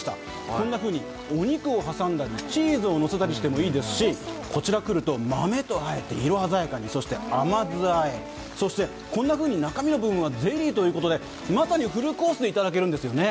こんなふうにお肉を挟んだり、チーズをのせたりしてもいいですし、こちら、豆とあえて色鮮やかに、そして甘酢あえ、そしてこんなふうに中身の部分はゼリーということでまさにフルコースでいただけるんですね